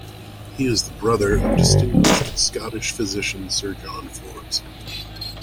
He is the brother of distinguished Scottish physician Sir John Forbes.